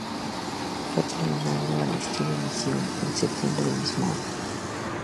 Fue terminado al estilo Misión en septiembre del mismo año.